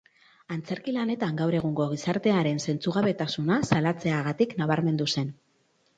Antzerki lanetan gaur egungo gizartearen zentzugabetasuna salatzeagatik nabarmendu zen.